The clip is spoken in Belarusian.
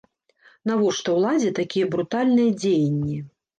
Навошта ўладзе такія брутальныя дзеянні?